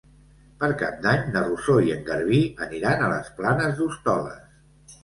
Per Cap d'Any na Rosó i en Garbí aniran a les Planes d'Hostoles.